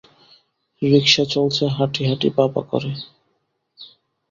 রিকশা চলছে হাঁটি-হাঁটি পা-পা করে।